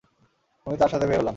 আমি তার সাথে বের হলাম।